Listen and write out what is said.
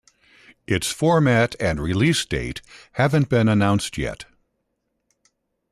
Its format and release date haven't been announced yet.